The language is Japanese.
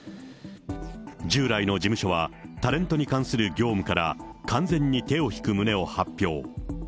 従来の事務所は、タレントに関する業務から完全に手を引く旨を発表。